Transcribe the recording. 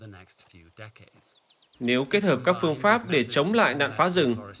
nếu kết hợp các phương pháp để chống lại nạn phá rừng